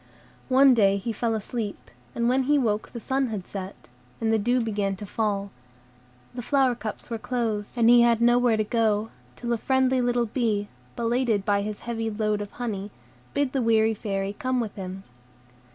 One day he fell asleep, and when he woke the sun had set, and the dew began to fall; the flower cups were closed, and he had nowhere to go, till a friendly little bee, belated by his heavy load of honey, bid the weary Fairy come with him.